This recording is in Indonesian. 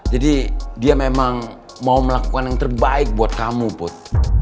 jadi dia memang mau melakukan yang terbaik buat kamu put